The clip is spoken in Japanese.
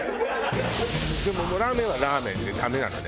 でもラーメンはラーメンでダメなのね。